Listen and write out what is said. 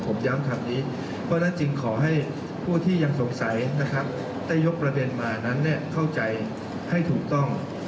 ผมย้ำคำนี้เพราะฉะนั้นจึงขอให้ผู้ที่ยังสงสัยนะครับได้ยกประเด็นมานั้นเข้าใจให้ถูกต้อง